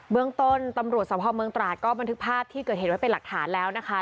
เมืองต้นตำรวจสภาพเมืองตราดก็บันทึกภาพที่เกิดเหตุไว้เป็นหลักฐานแล้วนะคะ